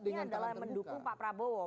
ini adalah mendukung pak prabowo